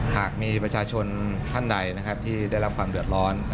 หากมีประชาชนท่านใดที่ได้รับความเดือดร้อน